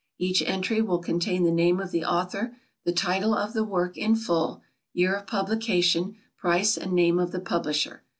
Each entry will contain the name of the author, the title of the work in full, year of publication, price and name of the publisher.